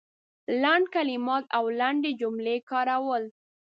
لنډ کلمات او لنډې جملې کارول